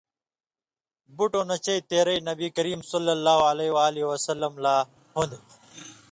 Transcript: بُٹوں نہ چئ تېرئ نبی کریم صلی اللہ علیہ وسلم لا ہُوۡن٘دیۡ۔